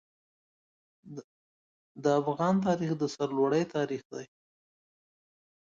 د افغان تاریخ د سرلوړۍ تاریخ دی.